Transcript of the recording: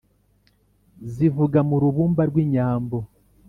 zivuga mu rubumba rw’inyambo